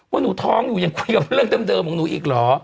ว่าหนูท้องอยู่ยังคุยกับเรื่องเดิมของหนูอีกเหรอ